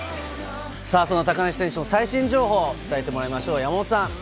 その高梨選手の最新情報を伝えてもらいましょう、山本さん。